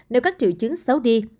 nếu các triệu chứng xấu đi